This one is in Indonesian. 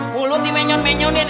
mulut di menyon menyonin